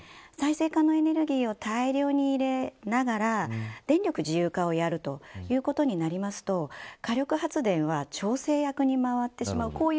再生可能エネルギーを大量に入れながら電力自由化をやるということになりますと火力発電は調整役に回ってしまう。